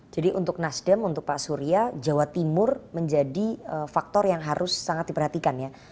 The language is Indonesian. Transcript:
jadi untuk nasdem untuk pak surya jawa timur menjadi faktor yang harus sangat diperhatikan ya